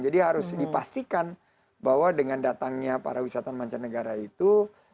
jadi harus dipastikan bahwa dengan datangnya para wisata mancanegara itu